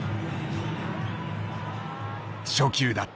初球だった。